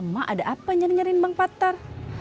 mak ada apa nyari nyariin bang patar